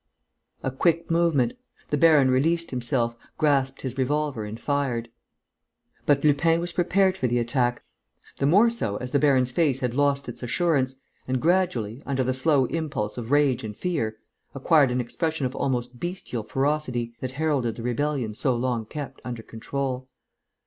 A quick movement. The baron released himself, grasped his revolver and fired. But Lupin was prepared for the attack, the more so as the baron's face had lost its assurance and gradually, under the slow impulse of rage and fear, acquired an expression of almost bestial ferocity that heralded the rebellion so long kept under control.